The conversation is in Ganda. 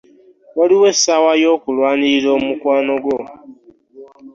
Waliwo essaawa y'okulwanira omukwano gwo.